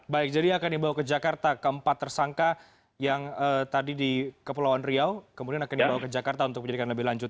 baik jadi akan dibawa ke jakarta keempat tersangka yang tadi di kepulauan riau kemudian akan dibawa ke jakarta untuk menjadikan lebih lanjut